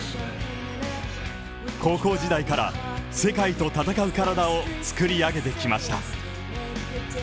高校時代から、世界と戦う体を作り上げてきました。